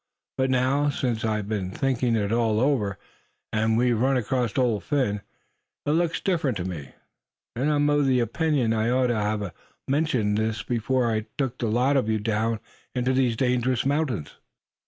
But now, since I've been thinking it all over, and we've run across Old Phin, it looks different to me, and I'm of the opinion I had ought to have mentioned this before I took the lot of you down into these danger mountains!"